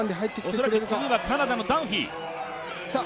恐らく次はカナダのダンフィー。